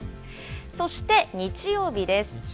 そして日曜日です。